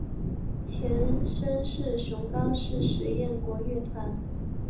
前身是高雄市实验国乐团。